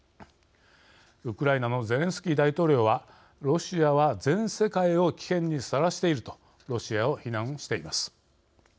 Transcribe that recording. ウクライナのゼレンスキー大統領は「ロシアは全世界を危険にさらしている」とロシアを非難しています。